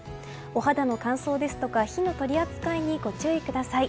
お肌の乾燥ですとか火の取り扱いにご注意ください。